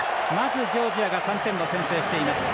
まずジョージアが３点を先制しています。